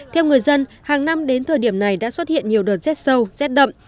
theo người dân hàng năm đến thời điểm này đã xuất hiện nhiều đợt rét sâu rét đậm